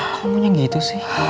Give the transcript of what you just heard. kamunya gitu sih